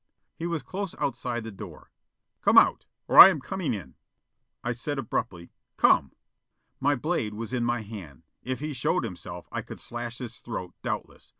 He was close outside the window. "Come out or I am coming in!" I said abruptly, "Come!" My blade was in my hand. If he showed himself I could slash his throat, doubtless.